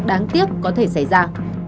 đáng tiếc có thể xảy ra